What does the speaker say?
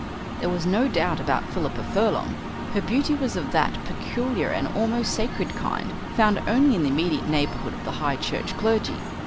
There was no doubt about Philippa Furlong. Her beauty was of that peculiar and almost sacred kind found only in the immediate neighbourhood of the High Church clergy.